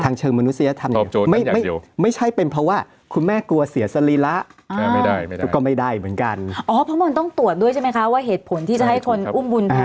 ทางเชิงมนุษยธรรมนี่ตอบโจทย์นั้นอย่างเดียว